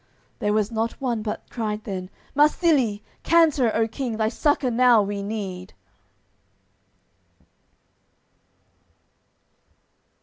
There was not one but cried then: "Marsilie, Canter, O king, thy succour now we need!"